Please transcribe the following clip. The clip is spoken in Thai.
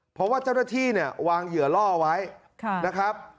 เพราะว่าเจ้าหน้าที่เนี่ยวางเหยื่อล่อไว้นะครับ